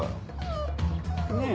ねえ。